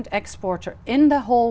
đến một trường hợp